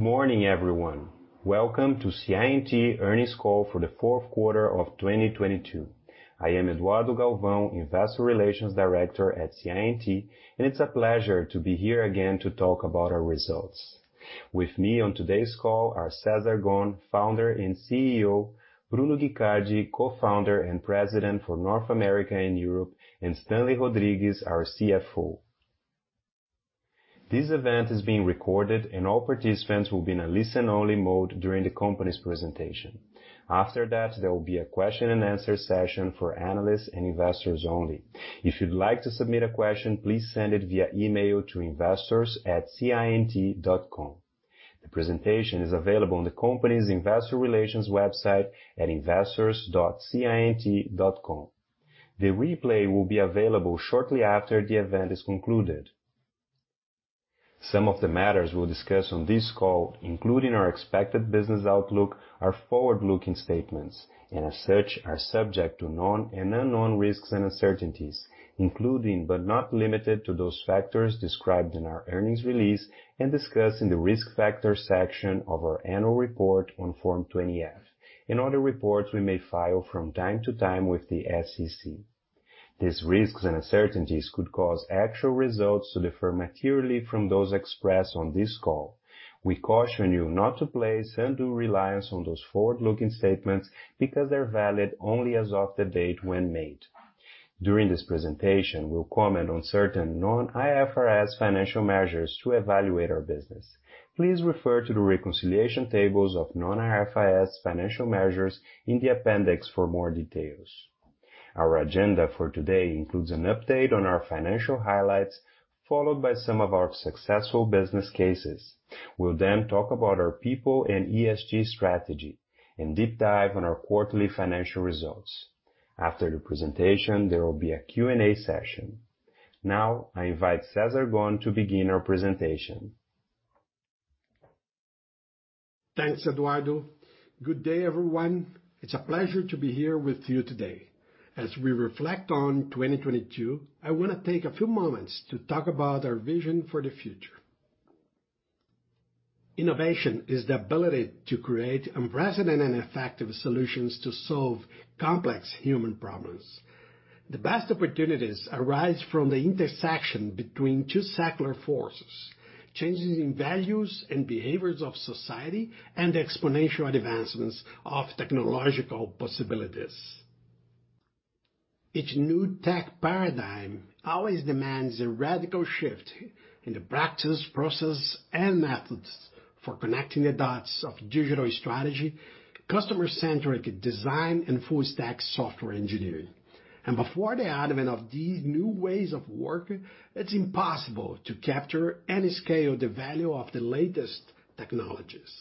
Good morning, everyone. Welcome to CI&T earnings call for the Q4 of 2022. I am Eduardo Galvão, investor relations director at CI&T. It's a pleasure to be here again to talk about our results. With me on today's call are Cesar Gon, founder and CEO, Bruno Guicardi, co-founder and president for North America and Europe, and Stanley Rodrigues, our CFO. This event is being recorded. All participants will be in a listen only mode during the company's presentation. After that, there will be a question and answer session for analysts and investors only. If you'd like to submit a question, please send it via email to investors at ciandt.com. The presentation is available on the company's investor relations website at investors.ciandt.com. The replay will be available shortly after the event is concluded. Some of the matters we'll discuss on this call, including our expected business outlook, are forward-looking statements and as such are subject to known and unknown risks and uncertainties, including but not limited to those factors described in our earnings release and discussed in the Risk Factors section of our annual report on Form 20-F and other reports we may file from time to time with the SEC. These risks and uncertainties could cause actual results to differ materially from those expressed on this call. We caution you not to place undue reliance on those forward-looking statements because they're valid only as of the date when made. During this presentation, we'll comment on certain non-IFRS financial measures to evaluate our business. Please refer to the reconciliation tables of non-IFRS financial measures in the appendix for more details. Our agenda for today includes an update on our financial highlights, followed by some of our successful business cases. We'll then talk about our people and ESG strategy and deep dive on our quarterly financial results. After the presentation, there will be a Q&A session. Now, I invite Cesar Gon to begin our presentation. Thanks, Eduardo. Good day, everyone. It's a pleasure to be here with you today. As we reflect on 2022, I wanna take a few moments to talk about our vision for the future. Innovation is the ability to create unprecedented and effective solutions to solve complex human problems. The best opportunities arise from the intersection between two secular forces, changes in values and behaviors of society and the exponential advancements of technological possibilities. Each new tech paradigm always demands a radical shift in the practice, process, and methods for connecting the dots of digital strategy, customer-centric design, and full stack software engineering. Before the advent of these new ways of working, it's impossible to capture any scale or the value of the latest technologies.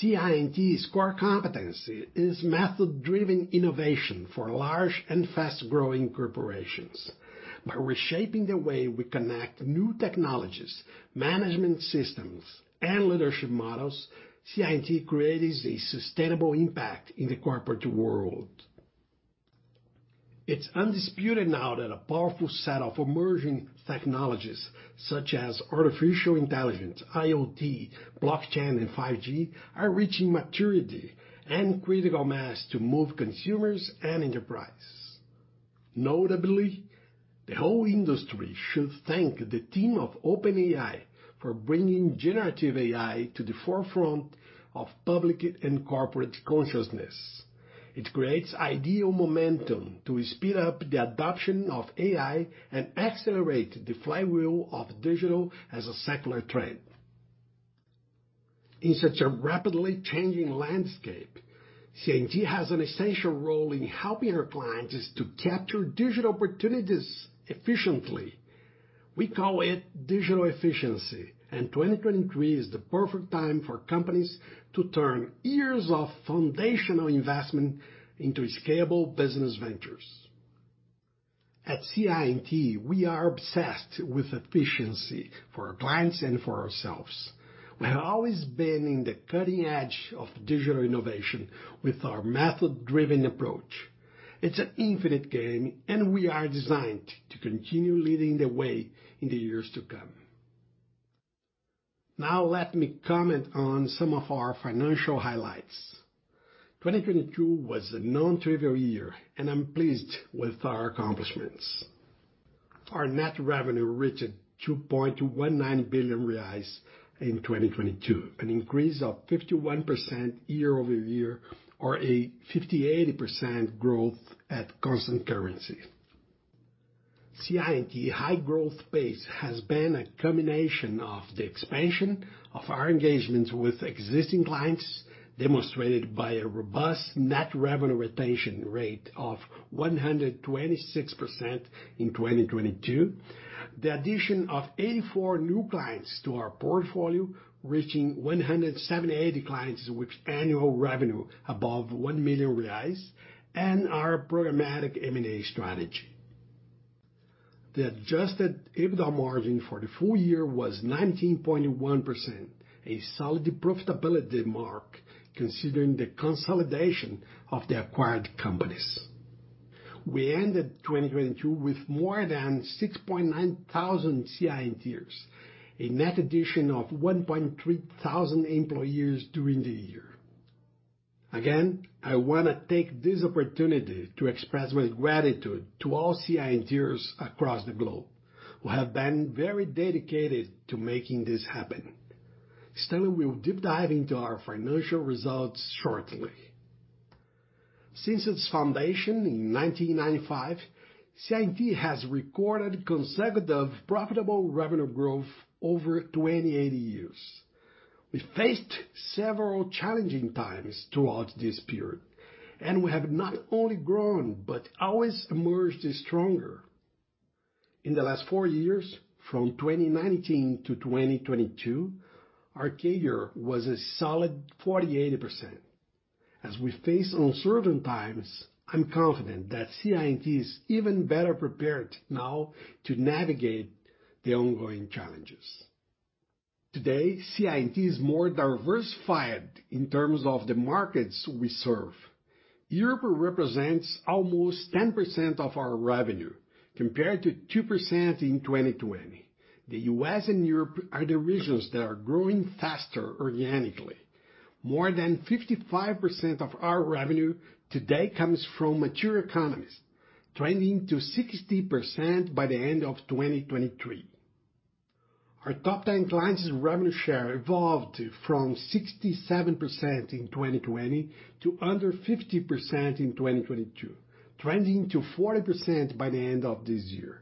CI&T's core competency is method-driven innovation for large and fast-growing corporations. By reshaping the way we connect new technologies, management systems, and leadership models, CI&T creates a sustainable impact in the corporate world. It's undisputed now that a powerful set of emerging technologies such as artificial intelligence, IoT, blockchain, and 5G are reaching maturity and critical mass to move consumers and enterprise. Notably, the whole industry should thank the team of OpenAI for bringing generative AI to the forefront of public and corporate consciousness. It creates ideal momentum to speed up the adoption of AI and accelerate the flywheel of digital as a secular trend. In such a rapidly changing landscape, CI&T has an essential role in helping our clients to capture digital opportunities efficiently. We call it digital efficiency. 2023 is the perfect time for companies to turn years of foundational investment into scalable business ventures. At CI&T, we are obsessed with efficiency for our clients and for ourselves. We have always been in the cutting edge of digital innovation with our method-driven approach. It's an infinite game. We are designed to continue leading the way in the years to come. Now, let me comment on some of our financial highlights. 2022 was a non-trivial year. I'm pleased with our accomplishments. Our net revenue reached 2.19 billion reais in 2022, an increase of 51% year-over-year or a 58% growth at constant currency. CI&T high growth pace has been a combination of the expansion of our engagements with existing clients, demonstrated by a robust Net Revenue Retention Rate of 126% in 2022. The addition of 84 new clients to our portfolio, reaching 178 clients with annual revenue above 1 million reais and our programmatic M&A strategy. The adjusted EBITDA margin for the full year was 19.1%, a solid profitability mark considering the consolidation of the acquired companies. We ended 2022 with more than 6,900 CI&Ters, a net addition of 1,300 employees during the year. Again, I wanna take this opportunity to express my gratitude to all CI&Ters across the globe who have been very dedicated to making this happen. Stanley will deep dive into our financial results shortly. Since its foundation in 1995, CI&T has recorded consecutive profitable revenue growth over 28 years. We faced several challenging times throughout this period, and we have not only grown but always emerged stronger. In the last four years, from 2019 to 2022, our CAGR was a solid 48%. As we face uncertain times, I'm confident that CI&T is even better prepared now to navigate the ongoing challenges. Today, CI&T is more diversified in terms of the markets we serve. Europe represents almost 10% of our revenue compared to 2% in 2020. The U.S. and Europe are the regions that are growing faster organically. More than 55% of our revenue today comes from mature economies, trending to 60% by the end of 2023. Our top 10 clients' revenue share evolved from 67% in 2020 to under 50% in 2022, trending to 40% by the end of this year.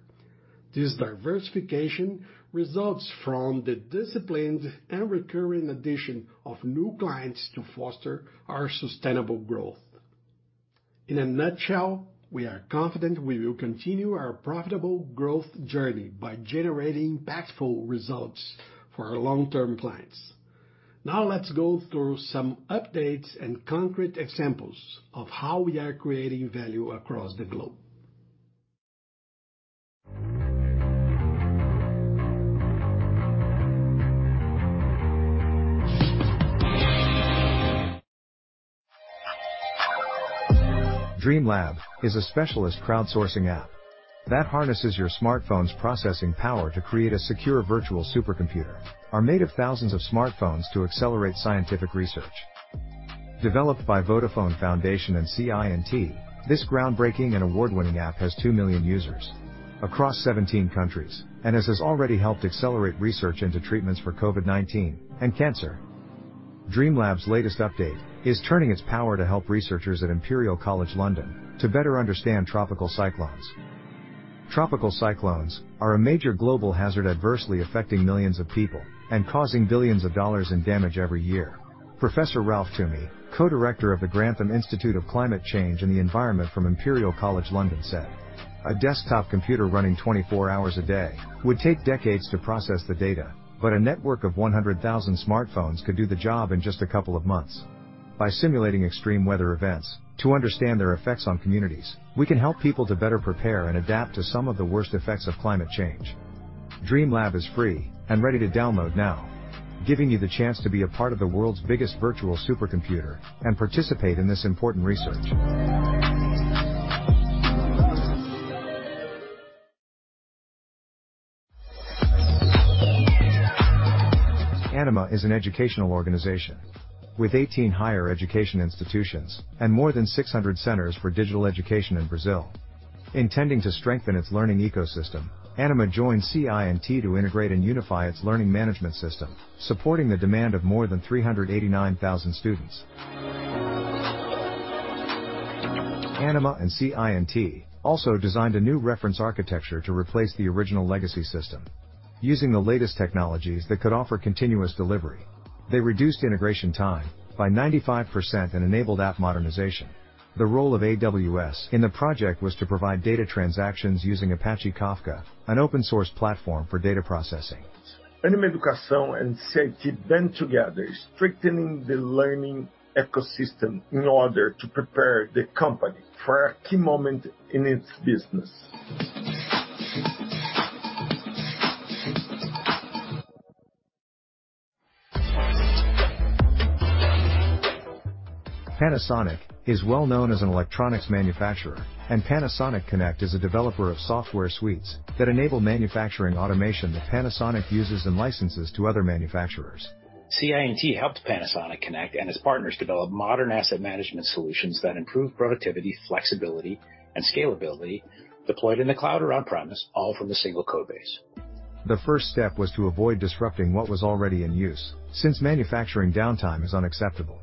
This diversification results from the disciplined and recurring addition of new clients to foster our sustainable growth. In a nutshell, we are confident we will continue our profitable growth journey by generating impactful results for our long-term clients. Let's go through some updates and concrete examples of how we are creating value across the globe. DreamLab is a specialist crowdsourcing app that harnesses your smartphone's processing power to create a secure virtual supercomputer are made of thousands of smartphones to accelerate scientific research. Developed by Vodafone Foundation and CI&T, this groundbreaking and award-winning app has 2 million users across 17 countries and has since already helped accelerate research into treatments for COVID-19 and cancer. DreamLab's latest update is turning its power to help researchers at Imperial College London to better understand tropical cyclones. Tropical cyclones are a major global hazard adversely affecting millions of people and causing billions of dollars in damage every year. Professor Ralf Toumi, co-director of the Grantham Institute - Climate Change and the Environment from Imperial College London, said, "A desktop computer running 24 hours a day would take decades to process the data. A network of 100,000 smartphones could do the job in just a couple of months. By simulating extreme weather events to understand their effects on communities, we can help people to better prepare and adapt to some of the worst effects of climate change." DreamLab is free and ready to download now, giving you the chance to be a part of the world's biggest virtual supercomputer and participate in this important research. Ânima is an educational organization with 18 higher education institutions and more than 600 centers for digital education in Brazil. Intending to strengthen its learning ecosystem, Ânima joined CI&T to integrate and unify its learning management system, supporting the demand of more than 389,000 students. Ânima and CI&T also designed a new reference architecture to replace the original legacy system using the latest technologies that could offer continuous delivery. They reduced integration time by 95% and enabled app modernization. The role of AWS in the project was to provide data transactions using Apache Kafka, an open source platform for data processing. Ânima Educação and CI&T band together, strengthening the learning ecosystem in order to prepare the company for a key moment in its business. Panasonic is well known as an electronics manufacturer, and Panasonic Connect is a developer of software suites that enable manufacturing automation that Panasonic uses and licenses to other manufacturers. CI&T helped Panasonic Connect and its partners develop modern asset management solutions that improve productivity, flexibility, and scalability deployed in the cloud or on premise, all from the single code base. The first step was to avoid disrupting what was already in use since manufacturing downtime is unacceptable.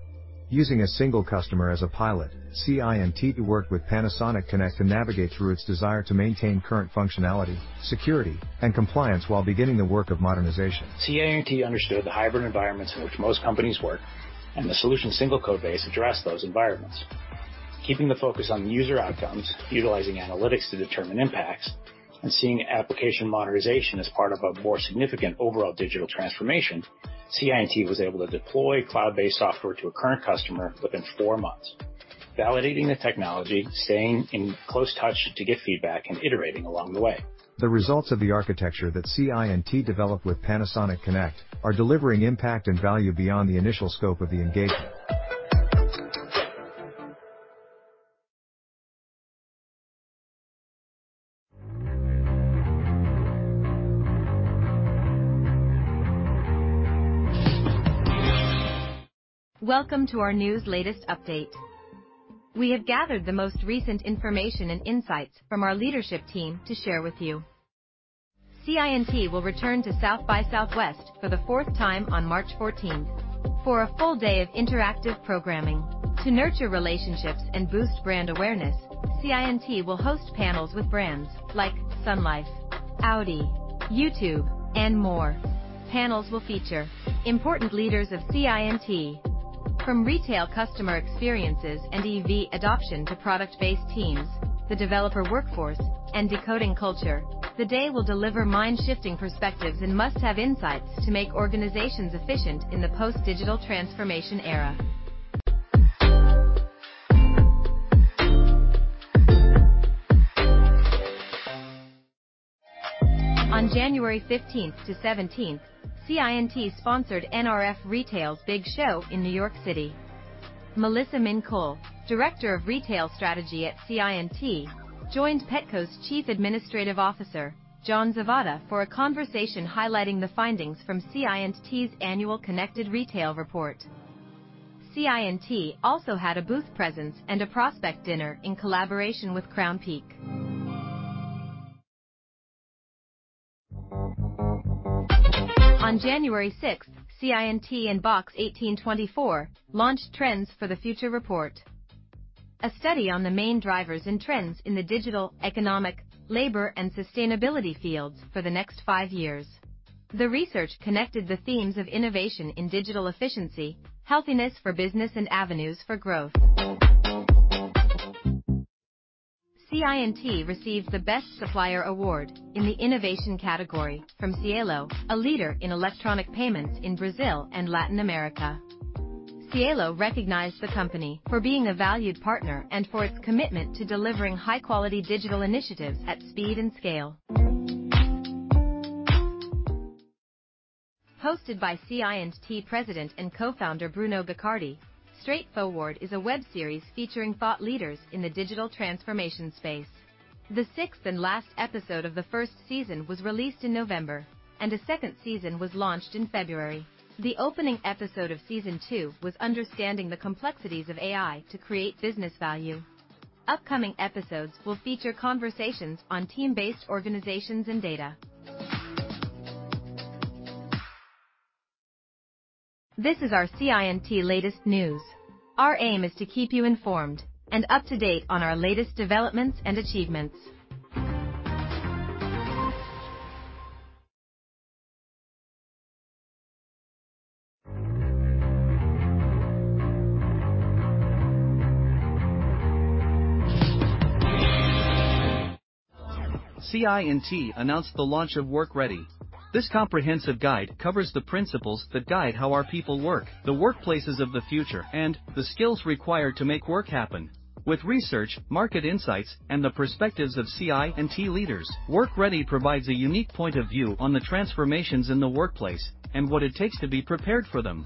Using a single customer as a pilot, CI&T worked with Panasonic Connect to navigate through its desire to maintain current functionality, security, and compliance while beginning the work of modernization. CI&T understood the hybrid environments in which most companies work and the solution single code base addressed those environments. Keeping the focus on user outcomes, utilizing analytics to determine impacts, and seeing application modernization as part of a more significant overall digital transformation, CI&T was able to deploy cloud-based software to a current customer within four months, validating the technology, staying in close touch to get feedback, and iterating along the way. The results of the architecture that CI&T developed with Panasonic Connect are delivering impact and value beyond the initial scope of the engagement. Welcome to our news latest update. We have gathered the most recent information and insights from our leadership team to share with you. CI&T will return to South by Southwest for the fourth time on March fourteenth for a full day of interactive programming. To nurture relationships and boost brand awareness, CI&T will host panels with brands like Sun Life, Audi, YouTube and more. Panels will feature important leaders of CI&T from retail customer experiences and EV adoption to product-based teams, the developer workforce and decoding culture. The day will deliver mind-shifting perspectives and must-have insights to make organizations efficient in the post-digital transformation era. On January fifteenth to seventeenth, CI&T sponsored NRF Retail's Big Show in New York City. Melissa Minkow, director of retail strategy at CI&T, joined Petco's chief administrative officer, John Zavada, for a conversation highlighting the findings from CI&T's annual Connected Retail report. CI&T also had a booth presence and a prospect dinner in collaboration with Crownpeak. On January 6, CI&T and Box 1824 launched Trends for the Future Report, a study on the main drivers and trends in the digital, economic, labor, and sustainability fields for the next 5 years. The research connected the themes of innovation in digital efficiency, healthiness for business, and avenues for growth. CI&T received the Best Supplier Award in the innovation category from Cielo, a leader in electronic payments in Brazil and Latin America. Cielo recognized the company for being a valued partner and for its commitment to delivering high-quality digital initiatives at speed and scale. Hosted by CI&T president and cofounder Bruno Guicardi, Straight Forward is a web series featuring thought leaders in the digital transformation space. The sixth and last episode of the first season was released in November. A second season was launched in February. The opening episode of season 2 was Understanding the Complexities of AI to Create Business Value. Upcoming episodes will feature conversations on team-based organizations and data. This is our CI&T latest news. Our aim is to keep you informed and up to date on our latest developments and achievements. CI&T announced the launch of Work Ready. This comprehensive guide covers the principles that guide how our people work, the workplaces of the future, and the skills required to make work happen. With research, market insights, and the perspectives of CI&T leaders, Work Ready provides a unique point of view on the transformations in the workplace and what it takes to be prepared for them.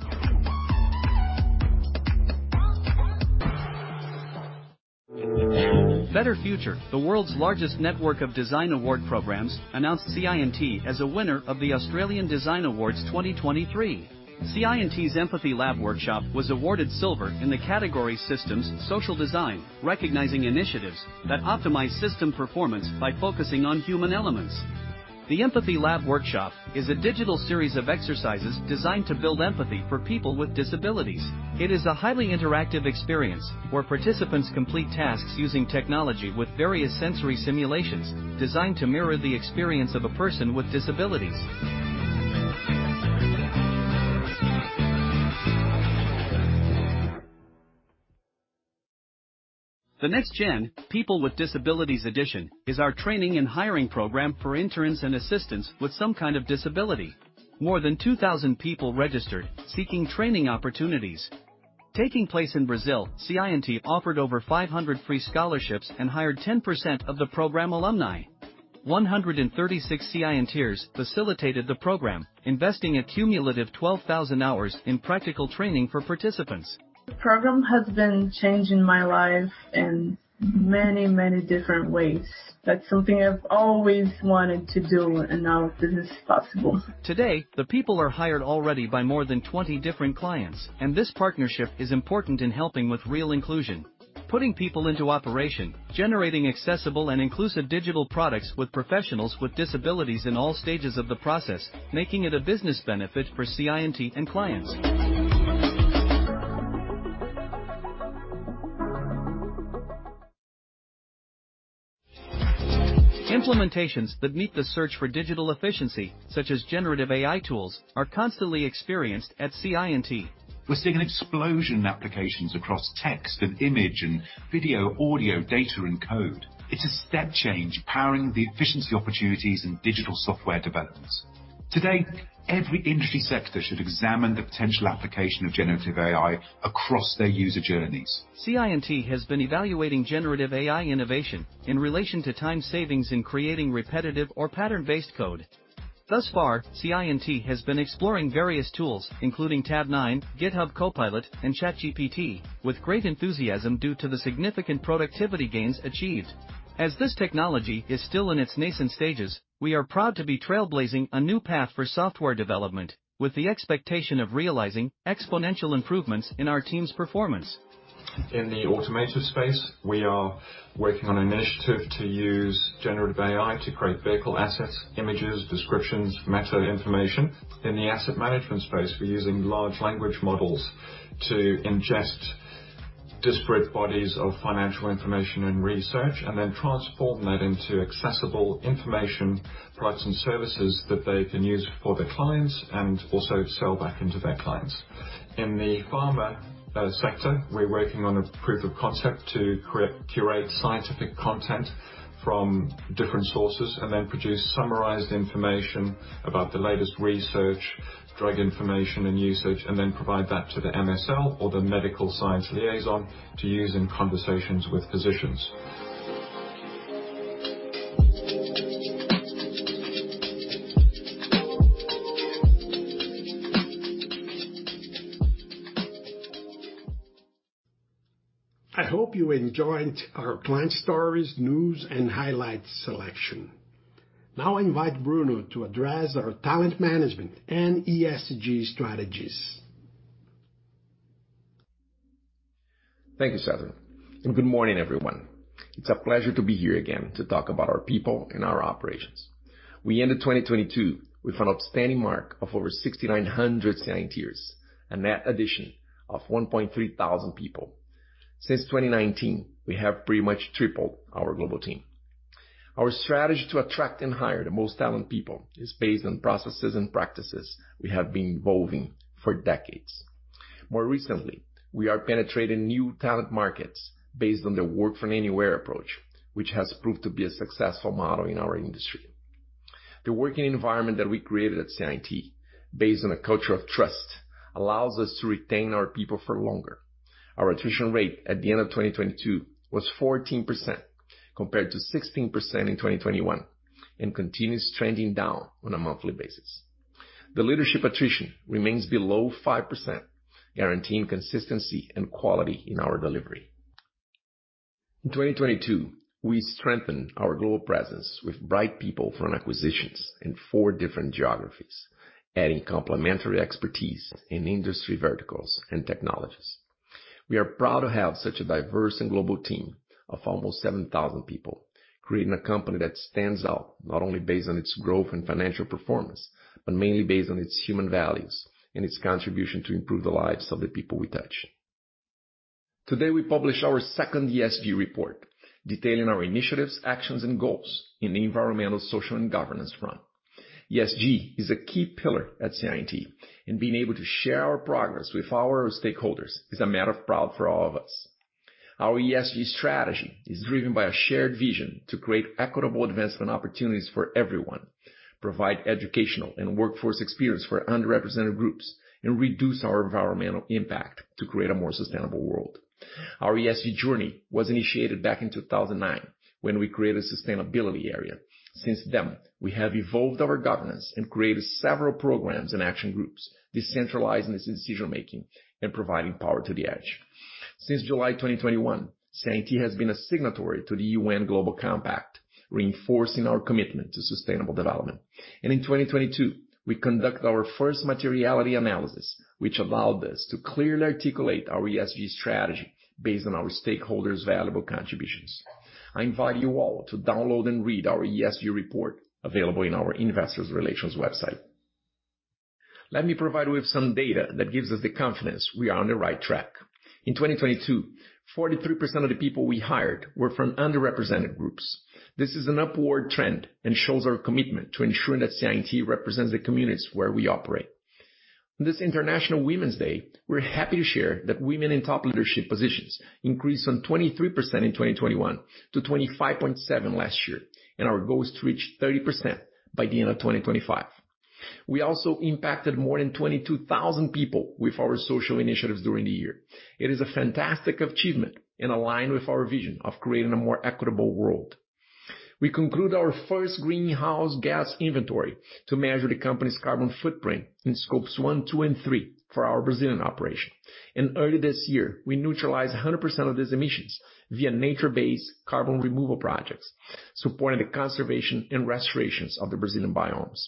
Better Future, the world's largest network of design award programs, announced CI&T as a winner of the Australian Design Awards 2023. CI&T's Empathy Lab Workshop was awarded silver in the category Systems Social Design, recognizing initiatives that optimize system performance by focusing on human elements. The Empathy Lab Workshop is a digital series of exercises designed to build empathy for people with disabilities. It is a highly interactive experience where participants complete tasks using technology with various sensory simulations designed to mirror the experience of a person with disabilities. The Next Gen People with Disabilities edition is our training and hiring program for interns and assistants with some kind of disability. More than 2,000 people registered seeking training opportunities. Taking place in Brazil, CI&T offered over 500 free scholarships and hired 10% of the program alumni. 136 CI&Ters facilitated the program, investing a cumulative 12,000 hours in practical training for participants. The program has been changing my life in many, many different ways. That's something I've always wanted to do, and now this is possible. Today, the people are hired already by more than 20 different clients, and this partnership is important in helping with real inclusion, putting people into operation, generating accessible and inclusive digital products with professionals with disabilities in all stages of the process, making it a business benefit for CI&T and clients. Implementations that meet the search for digital efficiency, such as generative AI tools, are constantly experienced at CI&T. We're seeing an explosion in applications across text and image and video, audio, data, and code. It's a step change powering the efficiency opportunities in digital software development. Today, every industry sector should examine the potential application of generative AI across their user journeys. CI&T has been evaluating generative AI innovation in relation to time savings in creating repetitive or pattern-based code. Thus far, CI&T has been exploring various tools, including Tabnine, GitHub Copilot, and ChatGPT, with great enthusiasm due to the significant productivity gains achieved. As this technology is still in its nascent stages, we are proud to be trailblazing a new path for software development with the expectation of realizing exponential improvements in our team's performance. In the automotive space, we are working on an initiative to use generative AI to create vehicle assets, images, descriptions, meta information. In the asset management space, we're using large language models to ingest disparate bodies of financial information and research, and then transform that into accessible information, products and services that they can use for the clients and also sell back into their clients. In the pharma sector, we're working on a proof of concept to curate scientific content from different sources and then produce summarized information about the latest research, drug information and usage, and then provide that to the MSL or the medical science liaison to use in conversations with physicians. I hope you enjoyed our client stories, news and highlights selection. I invite Bruno to address our talent management and ESG strategies. Thank you, Cesar, and good morning, everyone. It's a pleasure to be here again to talk about our people and our operations. We ended 2022 with an outstanding mark of over 6,900 CI&Ters, a net addition of 1,300 people. Since 2019, we have pretty much tripled our global team. Our strategy to attract and hire the most talent people is based on processes and practices we have been evolving for decades. More recently, we are penetrating new talent markets based on the work from anywhere approach, which has proved to be a successful model in our industry. The working environment that we created at CI&T, based on a culture of trust, allows us to retain our people for longer. Our attrition rate at the end of 2022 was 14% compared to 16% in 2021 and continues trending down on a monthly basis. The leadership attrition remains below 5%, guaranteeing consistency and quality in our delivery. In 2022, we strengthened our global presence with bright people from acquisitions in four different geographies, adding complementary expertise in industry verticals and technologies. We are proud to have such a diverse and global team of almost 7,000 people, creating a company that stands out, not only based on its growth and financial performance, but mainly based on its human values and its contribution to improve the lives of the people we touch. Today, we publish our second ESG report detailing our initiatives, actions and goals in the environmental, social and governance front. ESG is a key pillar at CI&T, and being able to share our progress with our stakeholders is a matter of pride for all of us. Our ESG strategy is driven by a shared vision to create equitable advancement opportunities for everyone, provide educational and workforce experience for underrepresented groups, and reduce our environmental impact to create a more sustainable world. Our ESG journey was initiated back in 2009 when we created a sustainability area. Since then, we have evolved our governance and created several programs and action groups, decentralizing this decision-making and providing power to the edge. Since July 2021, CI&T has been a signatory to the UN Global Compact, reinforcing our commitment to sustainable development. In 2022, we conducted our first materiality analysis, which allowed us to clearly articulate our ESG strategy based on our stakeholders' valuable contributions. I invite you all to download and read our ESG report available in our investor relations website. Let me provide you with some data that gives us the confidence we are on the right track. In 2022, 43% of the people we hired were from underrepresented groups. This is an upward trend and shows our commitment to ensuring that CI&T represents the communities where we operate. On this International Women's Day, we're happy to share that women in top leadership positions increased from 23% in 2021 to 25.7% last year, and our goal is to reach 30% by the end of 2025. We also impacted more than 22,000 people with our social initiatives during the year. It is a fantastic achievement and aligned with our vision of creating a more equitable world. We conclude our first greenhouse gas inventory to measure the company's carbon footprint in scopes one, two, and three for our Brazilian operation. Early this year, we neutralized 100% of these emissions via nature-based carbon removal projects, supporting the conservation and restorations of the Brazilian biomes.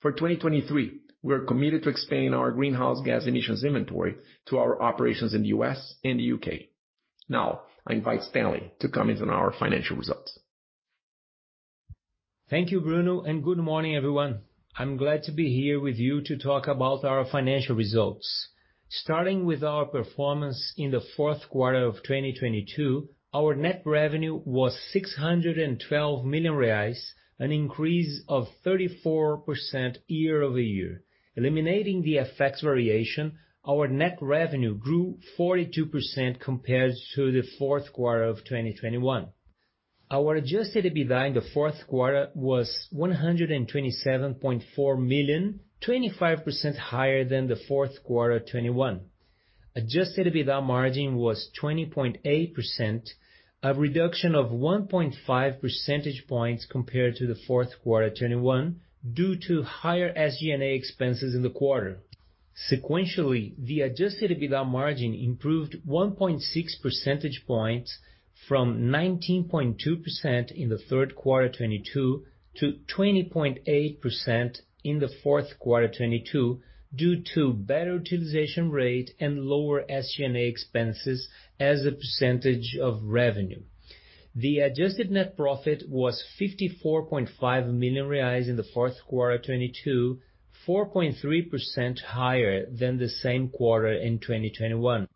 For 2023, we are committed to expand our greenhouse gas emissions inventory to our operations in the U.S. and the U.K. Now, I invite Stanley to comment on our financial results. Thank you, Bruno. Good morning, everyone. I'm glad to be here with you to talk about our financial results. Starting with our performance in the Q4 of 2022, our net revenue was 612 million reais, an increase of 34% year-over-year. Eliminating the FX variation, our net revenue grew 42% compared to the Q4 of 2021. Our adjusted EBITDA in the Q4 was 127.4 million, 25% higher than the Q4 2021. Adjusted EBITDA margin was 20.8%, a reduction of 1.5 percentage points compared to the Q4 2021 due to higher SG&A expenses in the quarter. Sequentially, the adjusted EBITDA margin improved 1.6 percentage points from 19.2% in the Q3 2022 to 20.8% in the Q4 2022 due to better utilization rate and lower SG&A expenses as a percentage of revenue. The adjusted net profit was 54.5 million reais in the Q4 2022, 4.3% higher than the same quarter in 2021.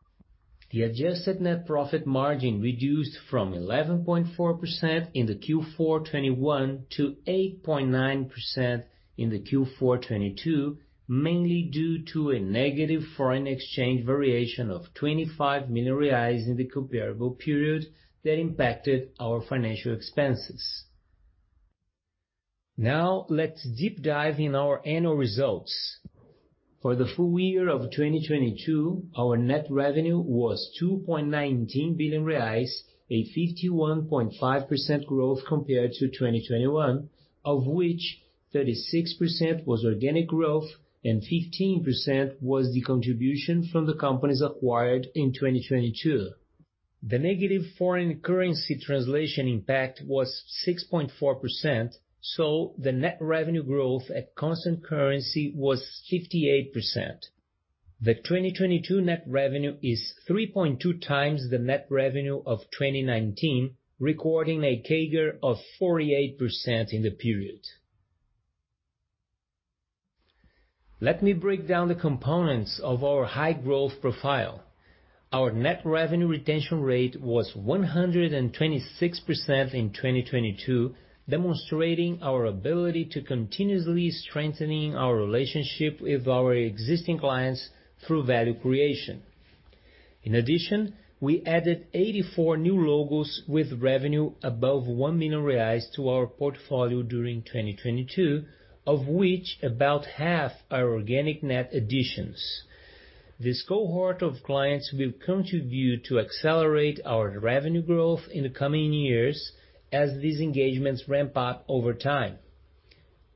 The adjusted net profit margin reduced from 11.4% in the Q4 2021 to 8.9% in the Q4 2022, mainly due to a negative foreign exchange variation of 25 million reais in the comparable period that impacted our financial expenses. Let's deep dive in our annual results. For the full year of 2022, our net revenue was 2.19 billion reais, a 51.5% growth compared to 2021, of which 36% was organic growth and 15% was the contribution from the companies acquired in 2022. The negative foreign currency translation impact was 6.4%, the net revenue growth at constant currency was 58%. The 2022 net revenue is 3.2 times the net revenue of 2019, recording a CAGR of 48% in the period. Let me break down the components of our high growth profile. Our Net Revenue Retention Rate was 126% in 2022, demonstrating our ability to continuously strengthening our relationship with our existing clients through value creation. We added 84 new logos with revenue above 1 million reais to our portfolio during 2022, of which about half are organic net additions. This cohort of clients will contribute to accelerate our revenue growth in the coming years as these engagements ramp up over time.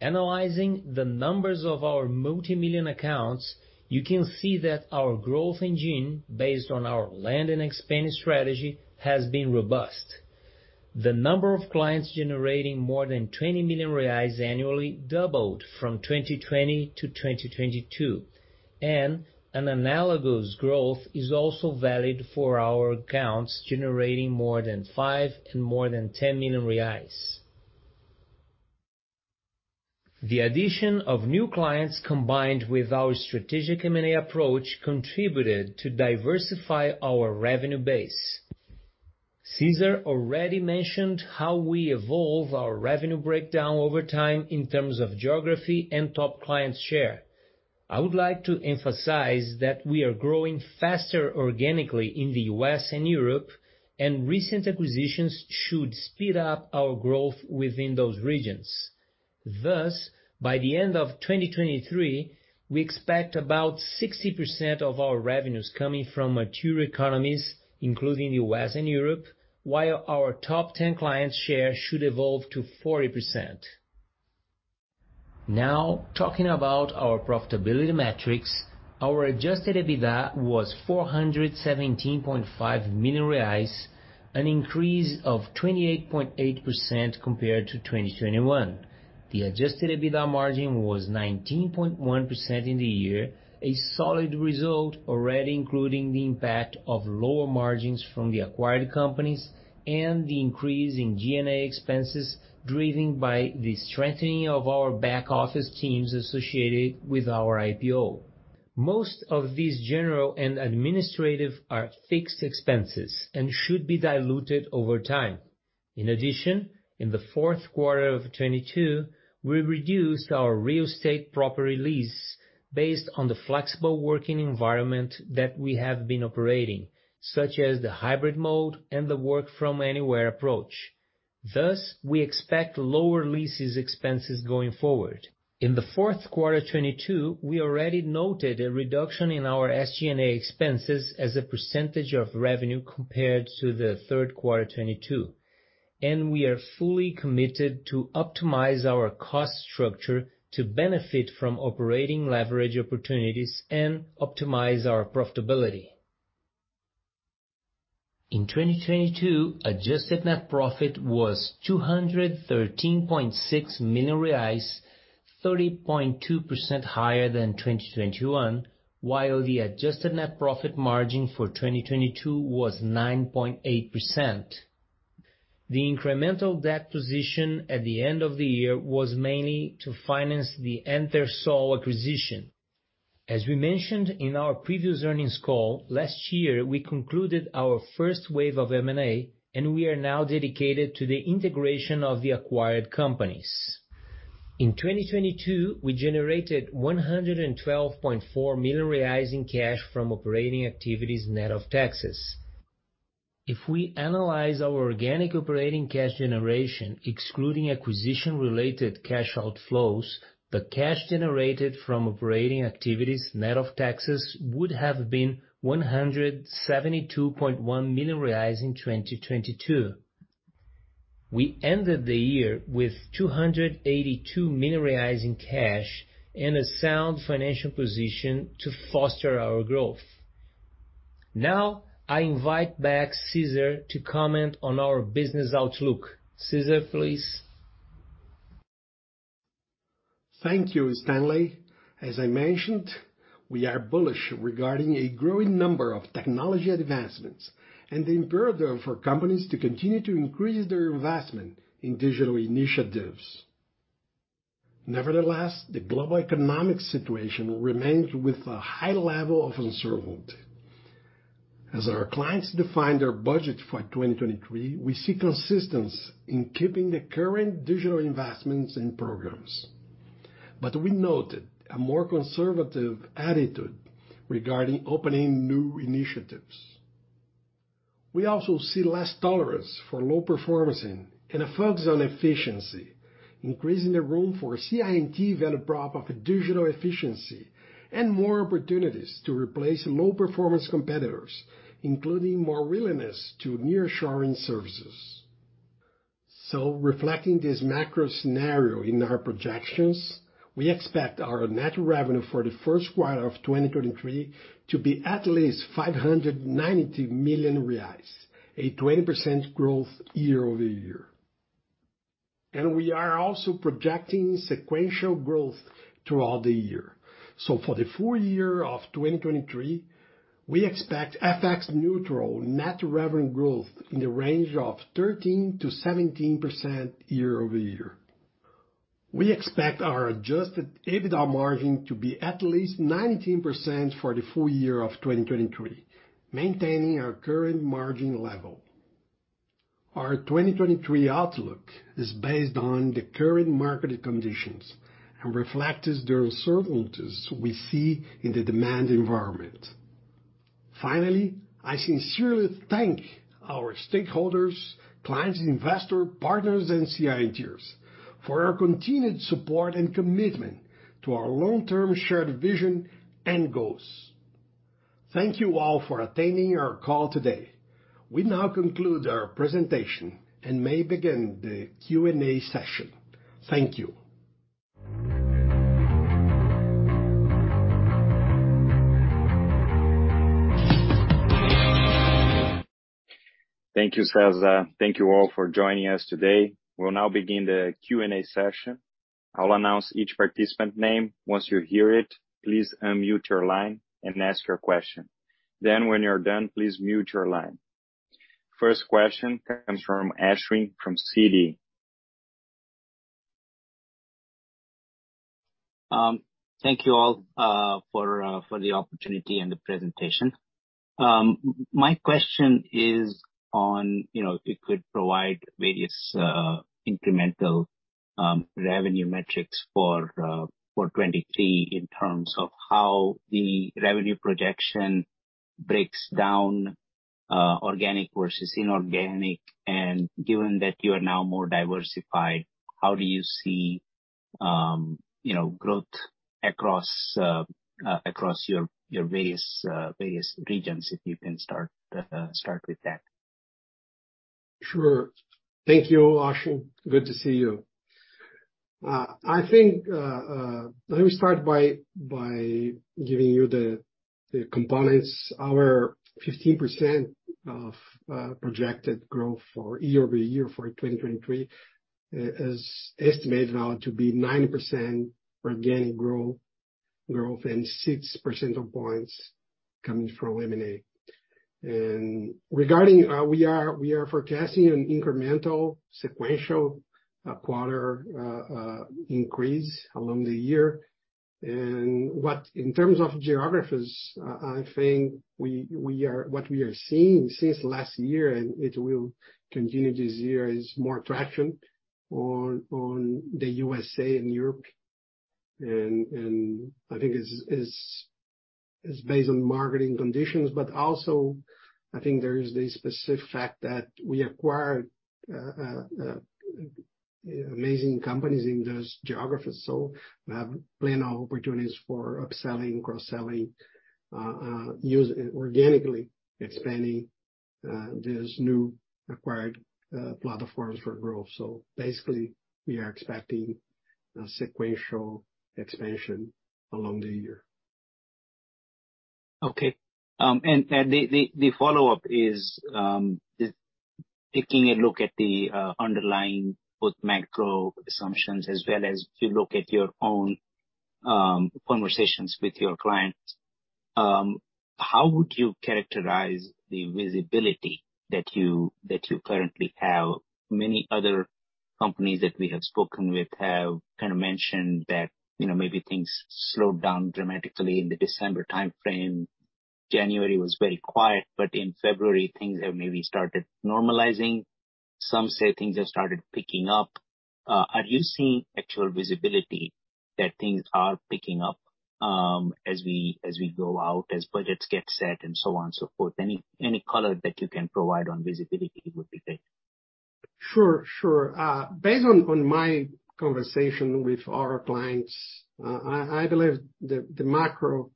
Analyzing the numbers of our multimillion accounts, you can see that our growth engine, based on our land and expand strategy, has been robust. The number of clients generating more than 20 million reais annually doubled from 2020 to 2022. An analogous growth is also valid for our accounts generating more than 5 million and more than 10 million reais. The addition of new clients, combined with our strategic M&A approach, contributed to diversify our revenue base. Cesar already mentioned how we evolve our revenue breakdown over time in terms of geography and top clients share. I would like to emphasize that we are growing faster organically in the U.S. and Europe, recent acquisitions should speed up our growth within those regions. Thus, by the end of 2023, we expect about 60% of our revenues coming from mature economies, including the U.S. and Europe, while our top 10 clients share should evolve to 40%. Talking about our profitability metrics, our adjusted EBITDA was 417.5 million reais, an increase of 28.8% compared to 2021. The adjusted EBITDA margin was 19.1% in the year, a solid result already including the impact of lower margins from the acquired companies and the increase in G&A expenses driven by the strengthening of our back office teams associated with our IPO. Most of these general and administrative are fixed expenses and should be diluted over time. In addition, in the Q4 of 22, we reduced our real estate property lease based on the flexible working environment that we have been operating, such as the hybrid mode and the work from anywhere approach. Thus, we expect lower leases expenses going forward. In the Q4 22, we already noted a reduction in our SG&A expenses as a % of revenue compared to the Q3 22, and we are fully committed to optimize our cost structure to benefit from operating leverage opportunities and optimize our profitability. In 2022, adjusted net profit was 213.6 million reais, 30.2% higher than 2021, while the adjusted net profit margin for 2022 was 9.8%. The incremental debt position at the end of the year was mainly to finance the NTERSOL acquisition. As we mentioned in our previous earnings call, last year, we concluded our first wave of M&A, and we are now dedicated to the integration of the acquired companies. In 2022, we generated 112.4 million reais in cash from operating activities net of taxes. If we analyze our organic operating cash generation, excluding acquisition related cash outflows, the cash generated from operating activities net of taxes would have been 172.1 million reais in 2022. We ended the year with 282 million reais in cash and a sound financial position to foster our growth. Now I invite back Cesar to comment on our business outlook. Cesar, please. Thank you, Stanley. As I mentioned, we are bullish regarding a growing number of technology advancements and the imperative for companies to continue to increase their investment in digital initiatives. The global economic situation remains with a high level of uncertainty. As our clients define their budget for 2023, we see consistency in keeping the current digital investments in programs. We noted a more conservative attitude regarding opening new initiatives. We also see less tolerance for low performance and a focus on efficiency, increasing the room for CI&T value prop of digital efficiency and more opportunities to replace low performance competitors, including more willingness to nearshore services. Reflecting this macro scenario in our projections, we expect our net revenue for the Q1 of 2023 to be at least 590 million reais, a 20% growth year-over-year. We are also projecting sequential growth throughout the year. For the full year of 2023, we expect FX-neutral net revenue growth in the range of 13%-17% year-over-year. We expect our adjusted EBITDA margin to be at least 19% for the full year of 2023, maintaining our current margin level. Our 2023 outlook is based on the current market conditions and reflects the uncertainties we see in the demand environment. I sincerely thank our stakeholders, clients, investors, partners and CI&Ters for your continued support and commitment to our long-term shared vision and goals. Thank you all for attending our call today. We now conclude our presentation and may begin the Q&A session. Thank you. Thank you, Cesar. Thank you all for joining us today. We'll now begin the Q&A session. I'll announce each participant name. Once you hear it, please unmute your line and ask your question. When you're done, please mute your line. First question comes from Ashwin from Citi. Thank you all for for the opportunity and the presentation. My question is on, you know, if you could provide various incremental revenue metrics for 2023 in terms of how the revenue projection breaks down, organic versus inorganic. Given that you are now more diversified, how do you see, you know, growth across across your various various regions, if you can start start with that. Sure. Thank you, Ashwin. Good to see you. I think, let me start by giving you the components. Our 15% of projected growth for year-over-year for 2023 is estimated now to be 9% organic growth, and 6% of points coming from M&A. Regarding, we are forecasting an incremental sequential quarter increase along the year. In terms of geographies, I think we are what we are seeing since last year, and it will continue this year, is more traction on the USA and Europe. I think it's based on marketing conditions, but also I think there is the specific fact that we acquired amazing companies in those geographies. We have plenty of opportunities for upselling, cross-selling, us organically expanding these new acquired platforms for growth. Basically, we are expecting a sequential expansion along the year. Okay. The follow-up is taking a look at the underlying both macro assumptions as well as you look at your own conversations with your clients, how would you characterize the visibility that you currently have? Many other companies that we have spoken with have kind of mentioned that, you know, maybe things slowed down dramatically in the December timeframe. January was very quiet, but in February, things have maybe started normalizing. Some say things have started picking up. Are you seeing actual visibility that things are picking up as we go out, as budgets get set and so on and so forth? Any color that you can provide on visibility would be great. Sure. Based on my conversation with our clients, I believe the macro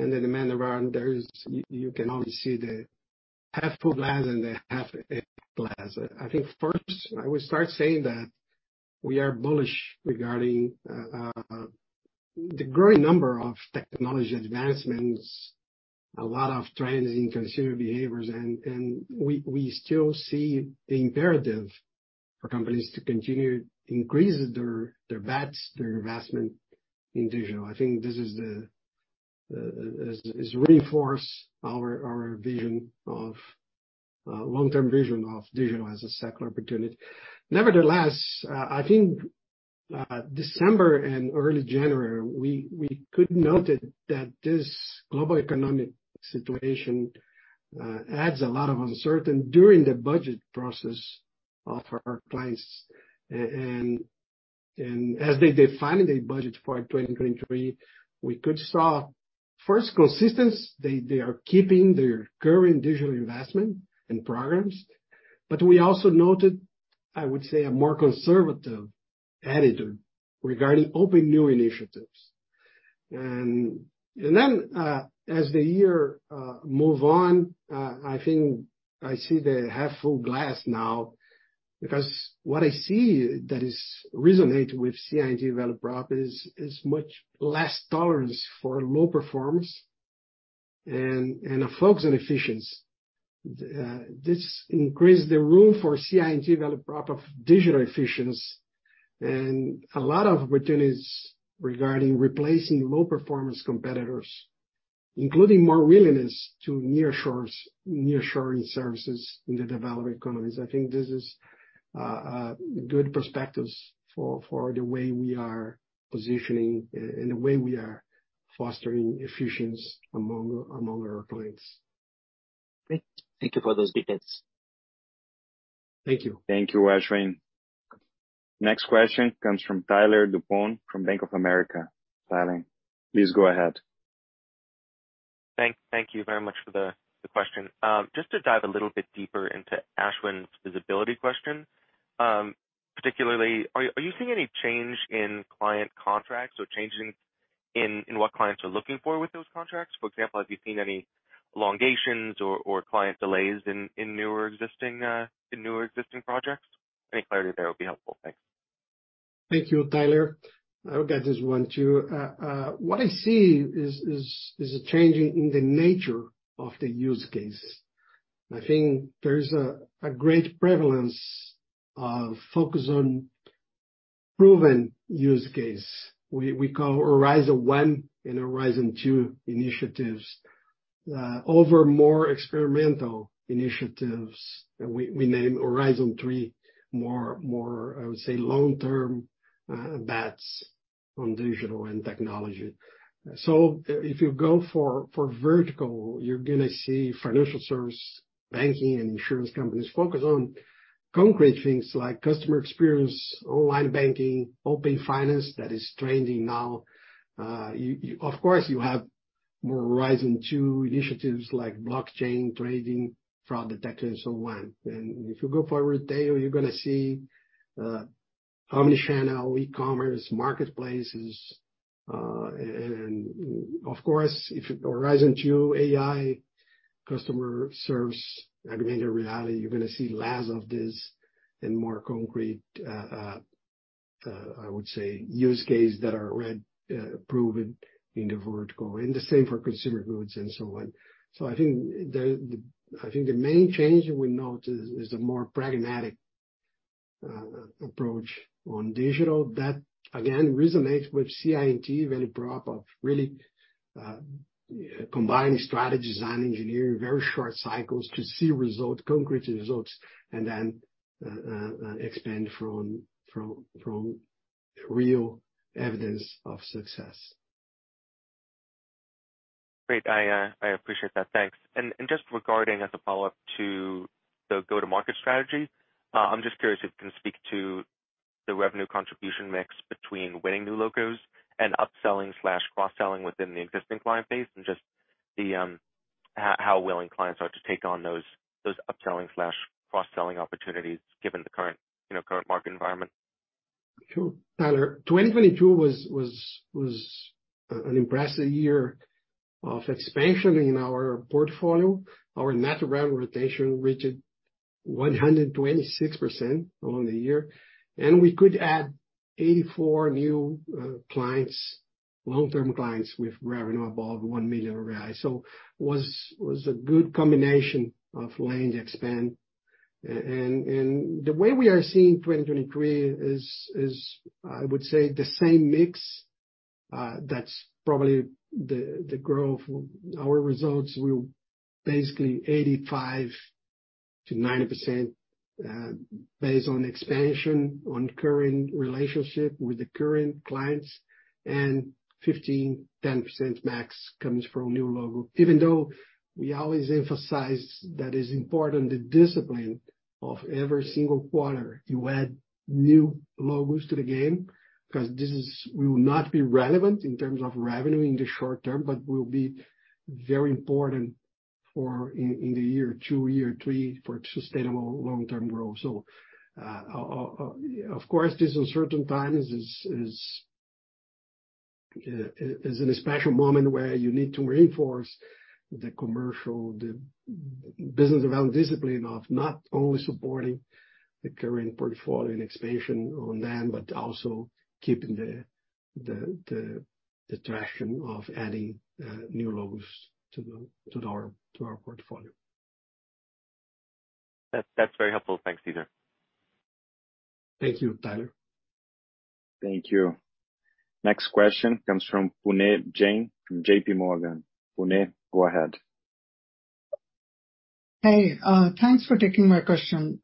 and the demand around there is you can only see the half full glass and the half empty glass. I think first I would start saying that we are bullish regarding the growing number of technology advancements, a lot of trends in consumer behaviors, and we still see the imperative for companies to continue to increase their bets, their investment in digital. I think this is the is reinforce our vision of long-term vision of digital as a secular opportunity. Nevertheless, I think December and early January, we could noted that this global economic situation adds a lot of uncertain during the budget process of our clients. As they defining their budget for 2023, we could saw first consistency. They are keeping their current digital investment and programs. We also noted, I would say, a more conservative attitude regarding opening new initiatives. As the year move on, I think I see the half full glass now because what I see that is resonating with CI&T Valueprop is much less tolerance for low performance and a focus on efficiency. This increase the room for CI&T Valueprop of digital efficiency and a lot of opportunities regarding replacing low performance competitors, including more willingness to near shores, nearshoring services in the developing economies. I think this is good perspectives for the way we are positioning and the way we are fostering efficiency among our clients. Great. Thank you for those details. Thank you. Thank you, Ashwin. Next question comes from Tyler DuPont from Bank of America. Tyler, please go ahead. Thank you very much for the question. Just to dive a little bit deeper into Ashwin's visibility question, particularly are you seeing any change in client contracts or change in what clients are looking for with those contracts? For example, have you seen any elongations or client delays in new or existing projects? Any clarity there will be helpful. Thanks. Thank you, Tyler. I'll get this one too. What I see is a change in the nature of the use cases. I think there is a great prevalence of focus on proven use case. We call Horizon 1 and Horizon 2 initiatives over more experimental initiatives. We name Horizon 3, more, I would say, long-term bets on digital and technology. If you go for vertical, you're gonna see financial service, banking and insurance companies focus on concrete things like customer experience, online banking, open finance that is trending now. Of course, you have more Horizon 2 initiatives like blockchain trading, fraud detection and so on. If you go for retail, you're gonna see omni-channel, e-commerce, marketplaces. Of course, if Horizon 2 AI customer service, augmented reality, you're gonna see less of this and more concrete use cases that are already proven in the vertical and the same for consumer goods and so on. I think the main change we note is the more pragmatic approach on digital that again resonates with CI&T Valueprop of really combining strategy design engineering very short cycles to see results, concrete results and then expand from real evidence of success. Great. I appreciate that. Thanks. Just regarding as a follow-up to the go-to-market strategy, I'm just curious if you can speak to the revenue contribution mix between winning new logos and upselling/cross-selling within the existing client base and just the how willing clients are to take on those upselling/cross-selling opportunities given the current market environment. Sure, Tyler, 2022 was an impressive year of expansion in our portfolio. Our Net Revenue Retention reached 126% on the year, and we could add 84 new clients, long-term clients with revenue above 1 million reais. was a good combination of land expand. the way we are seeing 2023 is I would say the same mix. That's probably the growth. Our results will basically 85%-90% based on expansion on current relationship with the current clients and 15%, 10% max comes from new logo. Even though we always emphasize that is important, the discipline of every single quarter, you add new logos to the game because we will not be relevant in terms of revenue in the short term, but will be very important in the year, 2 year, 3 for sustainable long-term growth. Of course, this uncertain times is a special moment where you need to reinforce the commercial, the business development discipline of not only supporting the current portfolio and expansion on that, but also keeping the traction of adding new logos to our portfolio. That's very helpful. Thanks, Cesar. Thank you, Tyler. Thank you. Next question comes from Puneet Jain from J.P. Morgan. Puneet, go ahead. Hey, thanks for taking my question.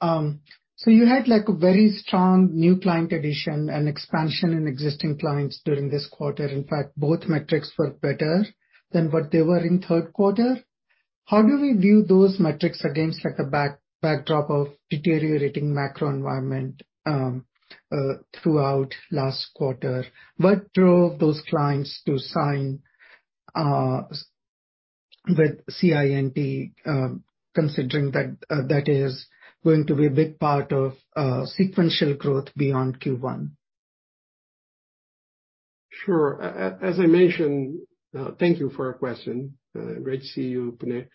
You had, like, a very strong new client addition and expansion in existing clients during this quarter. In fact, both metrics were better than what they were in Q3. How do we view those metrics against, like, a backdrop of deteriorating macro environment throughout last quarter? What drove those clients to sign with CI&T, considering that that is going to be a big part of sequential growth beyond Q1? Sure. As I mentioned. Thank you for your question. Great to see you, Puneet.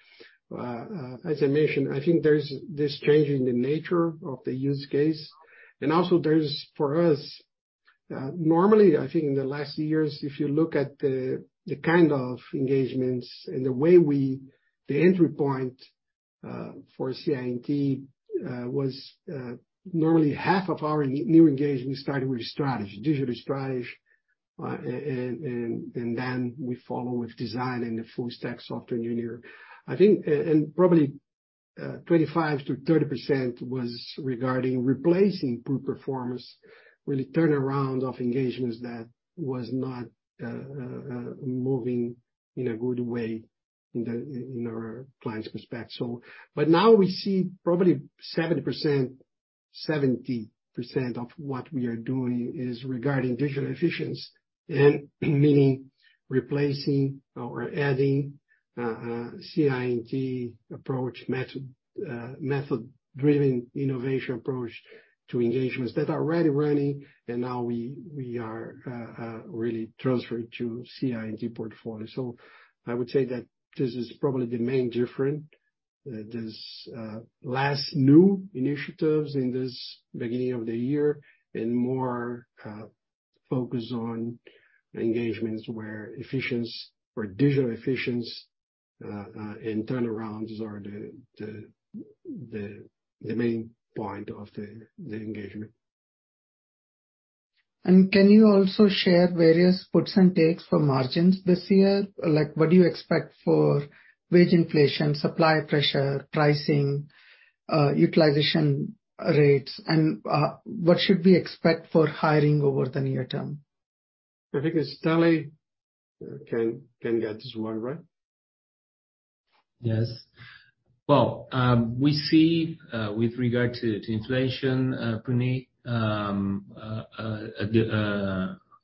As I mentioned, I think there's this change in the nature of the use case, and also there's, for us, normally, I think in the last years, if you look at the kind of engagements and the way we the entry point for CI&T, was normally half of our new engagements started with strategy, digital strategy. And then we follow with design and the full stack software engineer. I think, and probably, 25%-30% was regarding replacing poor performers, really turnaround of engagements that was not moving in a good way in our clients' perspective. But now we see probably 70%, 70% of what we are doing is regarding digital efficiency. Meaning replacing or adding, CI&T approach method-driven innovation approach to engagements that are already running, and now we are really transferred to CI&T portfolio. I would say that this is probably the main difference. There's less new initiatives in this beginning of the year and more focus on engagements where efficiency or digital efficiency and turnarounds are the main point of the engagement. Can you also share various puts and takes for margins this year? Like what do you expect for wage inflation, supply pressure, pricing, utilization rates? What should we expect for hiring over the near term? I think Stanley can get this one, right? Yes. Well, we see with regard to inflation, Puneet,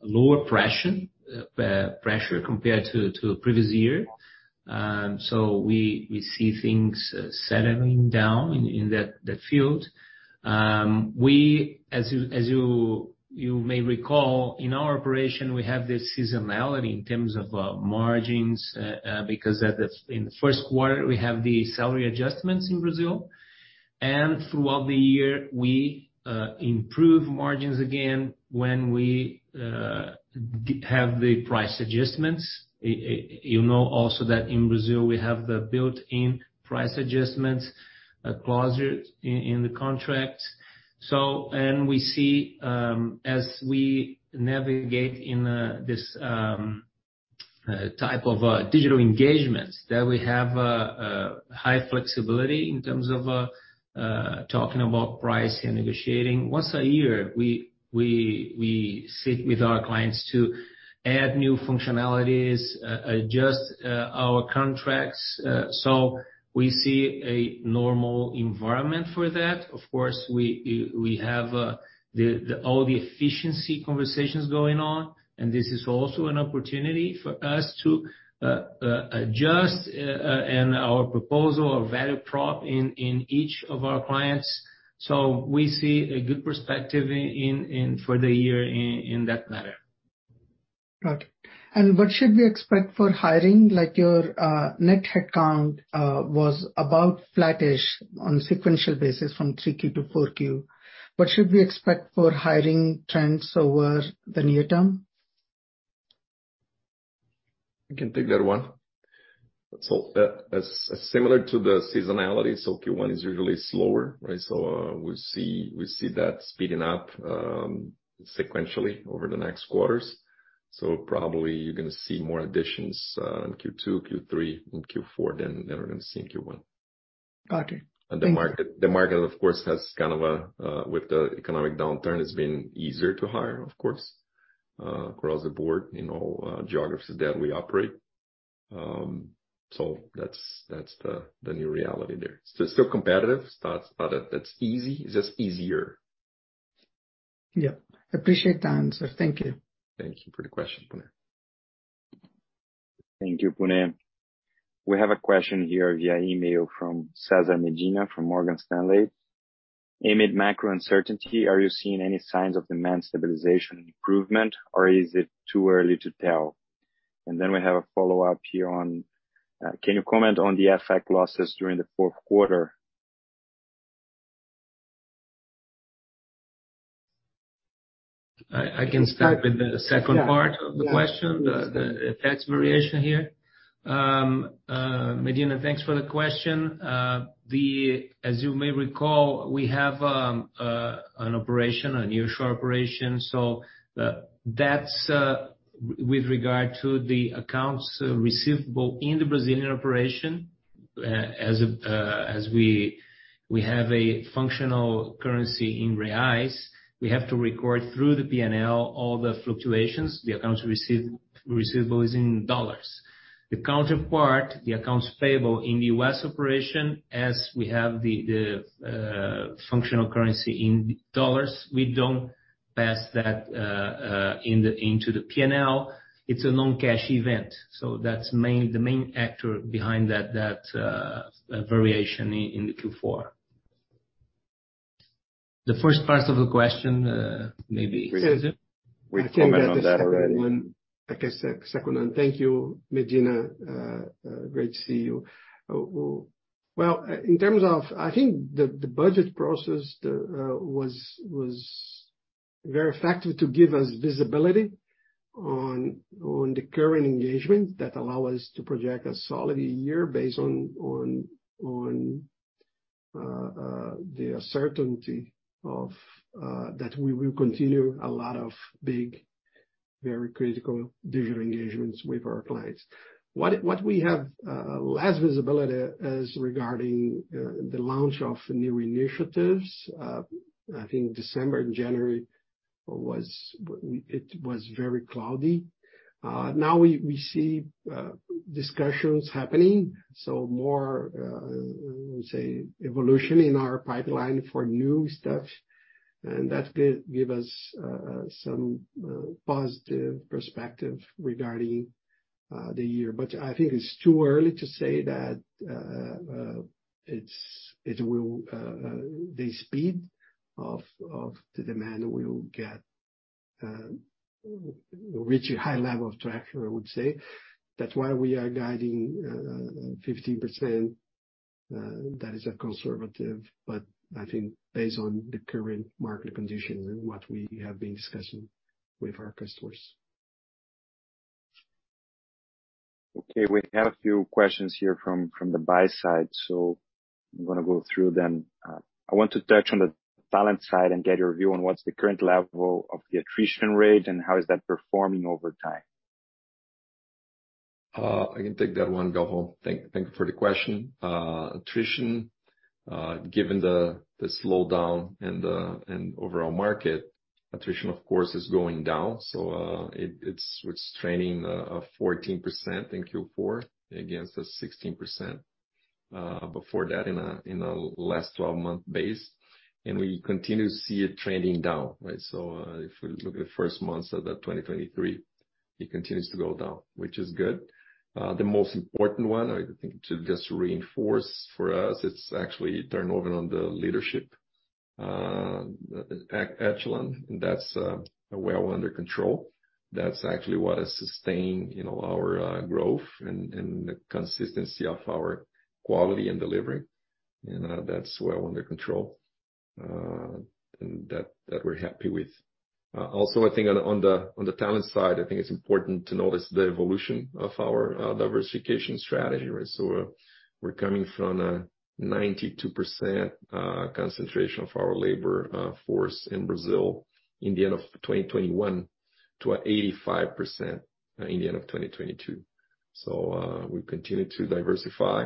lower pressure compared to previous year. We see things settling down in that field. As you may recall, in our operation, we have this seasonality in terms of margins because in the Q1, we have the salary adjustments in Brazil. Throughout the year, we improve margins again when we have the price adjustments. You know also that in Brazil we have the built-in price adjustments clause in the contract. We see as we navigate in this type of digital engagements, that we have high flexibility in terms of talking about price and negotiating. Once a year, we sit with our clients to add new functionalities, adjust our contracts. We see a normal environment for that. Of course, we have all the efficiency conversations going on, and this is also an opportunity for us to adjust our proposal or value prop in each of our clients. We see a good perspective for the year in that matter. Got it. What should we expect for hiring? Like your net headcount was about flattish on sequential basis from 3Q to 4Q. What should we expect for hiring trends over the near term? I can take that one. similar to the seasonality, so Q1 is usually slower, right? we see that speeding up sequentially over the next quarters. Probably you're gonna see more additions in Q two, Q three, and Q four than we're gonna see in Q one. Got it. Thank you. The market of course, has kind of a, with the economic downturn, it's been easier to hire, of course, across the board in all geographies that we operate. That's the new reality there. It's still competitive. It's not that that's easy, it's just easier. Yeah. Appreciate the answer. Thank you. Thank you for the question, Puneet. Thank you, Puneet. We have a question here via email from Cesar Medina from Morgan Stanley. Amid macro uncertainty, are you seeing any signs of demand stabilization and improvement, or is it too early to tell? We have a follow-up here on, can you comment on the FX losses during the Q4? I can start with the second part of the question, the FX variation here. Medina, thanks for the question. As you may recall, we have an operation, a nearshore operation. That's with regard to the accounts receivable in the Brazilian operation. As we have a functional currency in reais, we have to record through the P&L all the fluctuations. The accounts receivable is in dollars. The counterpart, the accounts payable in the U.S. operation as we have the functional currency in dollars, we don't pass that into the P&L. It's a non-cash event. That's the main actor behind that variation in Q4. The first part of the question, maybe Cesar. We commented on that already. I can take that the second one. I guess the second one. Thank you, Medina. Well, in terms of... I think the budget process was very effective to give us visibility on the current engagement that allow us to project a solid year based on the certainty that we will continue a lot of big, very critical digital engagements with our clients. What we have less visibility is regarding the launch of new initiatives. I think December and January it was very cloudy. Now we see discussions happening, so more say evolution in our pipeline for new stuff. That give us some positive perspective regarding the year. I think it's too early to say that it's, it will, the speed of the demand will get reach a high level of traction, I would say. That's why we are guiding 50%. That is a conservative, but I think based on the current market conditions and what we have been discussing with our customers. Okay, we have a few questions here from the buy side, I'm gonna go through them. I want to touch on the talent side and get your view on what's the current level of the attrition rate and how is that performing over time. I can take that one, Gago. Thank you for the question. Attrition, given the slowdown in the overall market, attrition of course is going down. It's restraining 14% in Q4 against 16% before that in a last 12-month base. We continue to see it trending down, right? If we look at the first months of 2023, it continues to go down, which is good. The most important one, I think to just reinforce for us, it's actually turnover on the leadership echelon, and that's well under control. That's actually what has sustained, you know, our growth and the consistency of our quality and delivery. That's well under control and that we're happy with. I think on the talent side, I think it's important to notice the evolution of our diversification strategy, right? We're coming from a 92% concentration of our labor force in Brazil in the end of 2021 to 85% in the end of 2022. We continue to diversify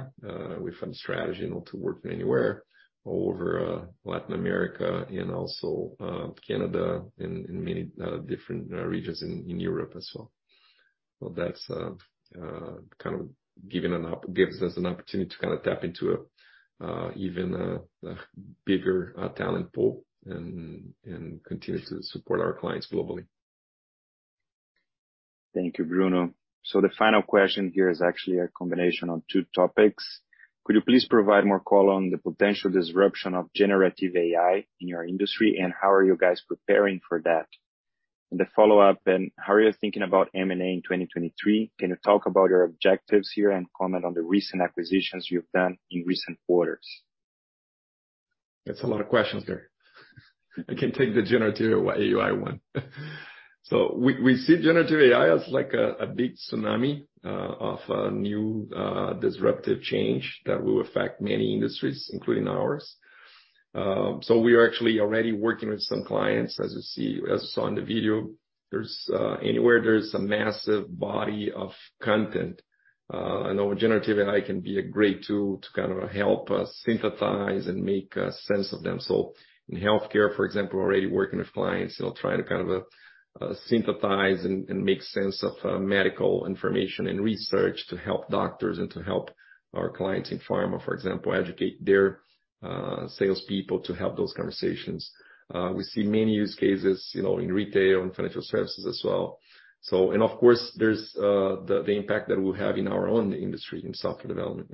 with a strategy, you know, to work from anywhere over Latin America and also Canada and many different regions in Europe as well. That's kind of gives us an opportunity to kind of tap into an even bigger talent pool and continue to support our clients globally. Thank you, Bruno. The final question here is actually a combination of two topics. Could you please provide more color on the potential disruption of generative AI in your industry, and how are you guys preparing for that? The follow-up, how are you thinking about M&A in 2023? Can you talk about your objectives here and comment on the recent acquisitions you've done in recent quarters? That's a lot of questions there. I can take the generative AI one. We see generative AI as like a big tsunami of a new disruptive change that will affect many industries, including ours. We are actually already working with some clients. As you saw in the video, there's anywhere there's a massive body of content, I know generative AI can be a great tool to kind of help us synthesize and make sense of them. In healthcare, for example, we're already working with clients, you know, trying to kind of synthesize and make sense of medical information and research to help doctors and to help our clients in pharma, for example, educate their salespeople to have those conversations. We see many use cases, you know, in retail and financial services as well. And of course, there's the impact that we have in our own industry, in software development.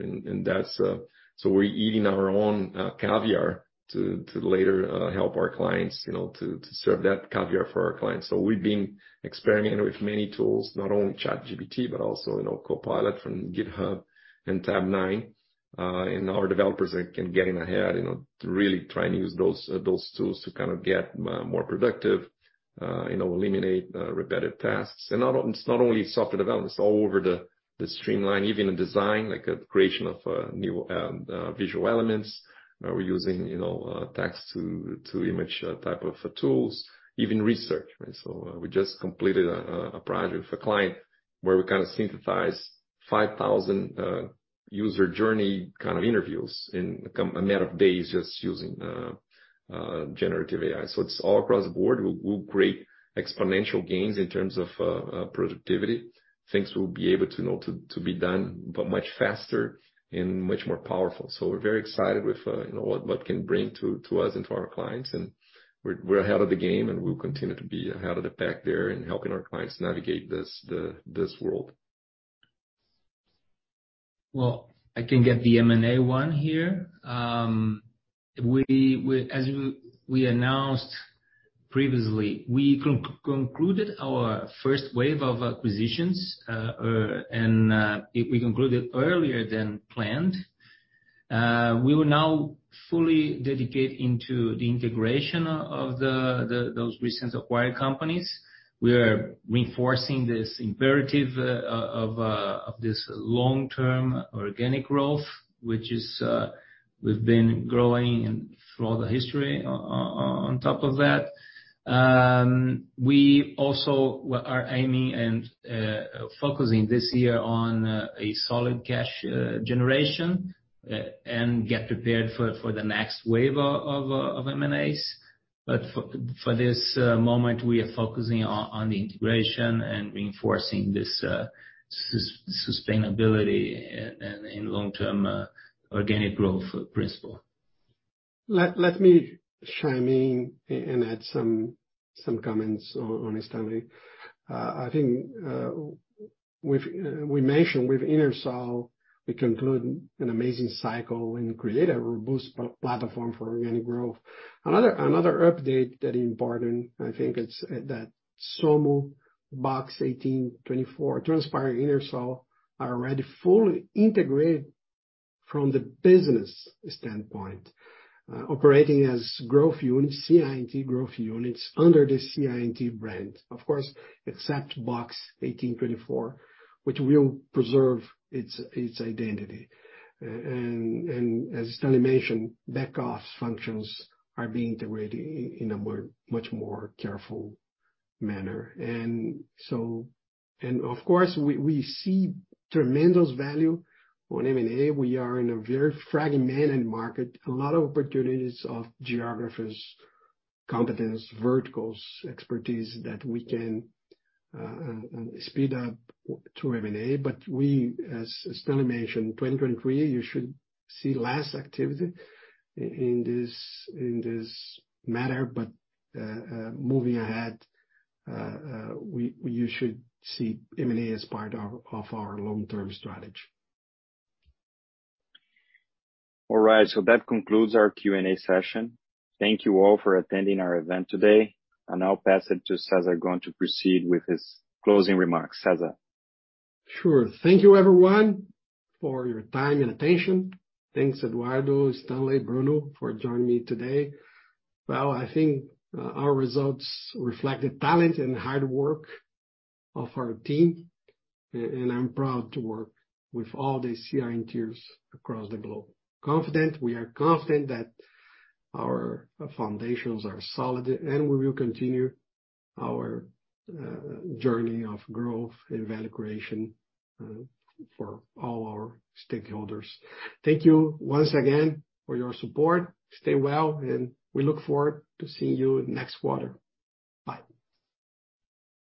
We're eating our own caviar to later help our clients, you know, to serve that caviar for our clients. We've been experimenting with many tools, not only ChatGPT, but also, you know, Copilot from GitHub and Tabnine. And our developers are getting ahead, you know, to really try and use those tools to kind of get more productive, you know, eliminate repetitive tasks. It's not only software development, it's all over the streamline. Even in design, like a creation of new visual elements, we're using, you know, text to image type of tools. Even research, right? We just completed a project with a client where we kind of synthesize 5,000 user journey kind of interviews in a matter of days just using generative AI. It's all across the board. We'll create exponential gains in terms of productivity. Things will be able to, you know, to be done, but much faster and much more powerful. We're very excited with, you know, what can bring to us and to our clients. We're ahead of the game, and we'll continue to be ahead of the pack there in helping our clients navigate this world. Well, I can get the M&A one here. We announced previously, we concluded our first wave of acquisitions, and we concluded earlier than planned. We will now fully dedicate into the integration of the recent acquired companies. We are reinforcing this imperative of this long-term organic growth, which is we've been growing and through the history on top of that. We also are aiming and focusing this year on a solid cash generation and get prepared for the next wave of M&As. For this moment, we are focusing on the integration and reinforcing this sustainability and long-term organic growth principle. Let me chime in and add some comments on Stanley. I think we mentioned with Innersource, we conclude an amazing cycle and create a robust platform for organic growth. Another update that important, I think it's that Somo, Box 1824, Transpire, Innersource are already fully integrated from the business standpoint. Operating as growth units, CI&T growth units under the CI&T brand. Of course, except Box 1824, which will preserve its identity. As Stanley mentioned, back office functions are being integrated in a much more careful manner. Of course, we see tremendous value on M&A. We are in a very fragmented market. A lot of opportunities of geographies, competence, verticals, expertise that we can speed up through M&A. We, as Stanley mentioned, 2023, you should see less activity in this matter. Moving ahead, you should see M&A as part of our long-term strategy. All right, that concludes our Q&A session. Thank you all for attending our event today. I now pass it to Cesar Gon to proceed with his closing remarks. Cesar. Sure. Thank you everyone for your time and attention. Thanks Eduardo Galvão, Stanley Rodrigues, Bruno Guicardi for joining me today. I think our results reflect the talent and hard work of our team, and I'm proud to work with all the CI&Ters across the globe. We are confident that our foundations are solid. We will continue our journey of growth and value creation for all our stakeholders. Thank you once again for your support. Stay well. We look forward to seeing you next quarter. Bye.